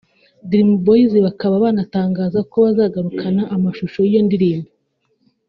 Dream Boyz bakaba banatangaza ko bazagarukana amashusho y’iyo ndirimbo